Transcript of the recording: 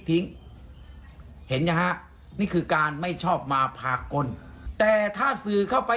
ทิ้งเห็นนะฮะนี่คือการไม่ชอบมาพากลแต่ถ้าสื่อเข้าไป